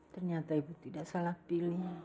ternyata ibu tidak salah pilih